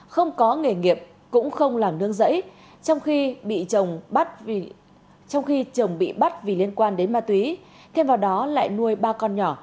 không có nghề nghiệp cũng không làm nương rẫy trong khi chồng bị bắt vì liên quan đến ma túy thêm vào đó lại nuôi ba con nhỏ